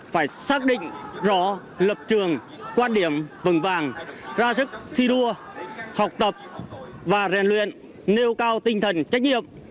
phải xác định rõ lập trường quan điểm vần vàng ra sức thi đua học tập và rèn luyện nêu cao tinh thần trách nhiệm